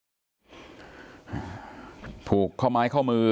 สำหรับพ่อแม่ลุงพลนะครับลุงพลนี่ก็กลั้นน้ำตาไม่อยู่ครับวันนี้